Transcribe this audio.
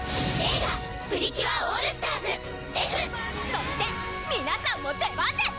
そして皆さんも出番です！